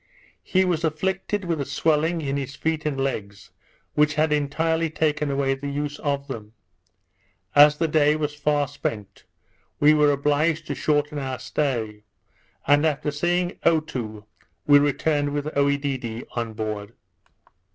He was afflicted with a swelling in his feet and legs, which had entirely taken away the use of them. As the day was far spent, we were obliged to shorten our stay; and after seeing Otoo, we returned with Oedidee on board.